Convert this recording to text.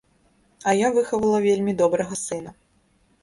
А я выхавала вельмі добрага сына.